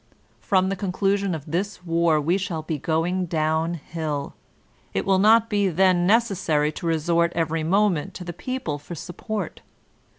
From the conclu sion of this war we shall be going down hill. It will not then be necessary to resort every moment to the people for support.